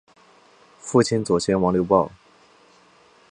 父亲左贤王刘豹。